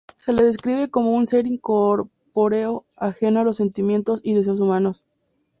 Se le describe como un ser incorpóreo, ajeno a los sentimientos y deseos humanos.